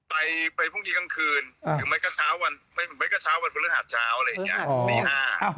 ไปไปพรุ่งนี้กลางคืนหรือไม่ก็เช้าวันไม่ก็เช้าวันพฤหัสเช้าอะไรอย่างเงี้ยตีห้า